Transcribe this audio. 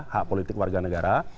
hak politik warga negara